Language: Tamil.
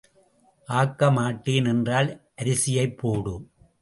ஆக்க மாட்டேன் என்றால் அரிசியைப் போடு.